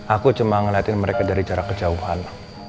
aku cuma ngeliatin mereka dari jarak kejauhan